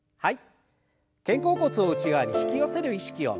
はい。